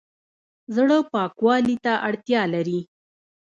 زړه پاکوالي ته اړتیا لري